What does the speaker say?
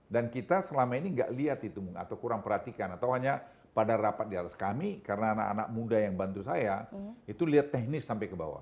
dan kita selama ini gak lihat itu atau kurang perhatikan atau hanya pada rapat di atas kami karena anak anak muda yang bantu saya itu lihat teknis sampai ke bawah